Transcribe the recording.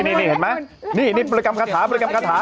นี่เห็นไหมนี่บริกรรมคาถาบริกรรมคาถา